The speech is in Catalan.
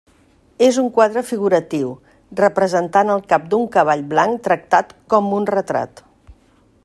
És un quadre figuratiu, representant el cap d'un cavall blanc tractat com un retrat.